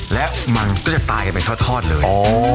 และมันก็จะตายกันไปทอดเลย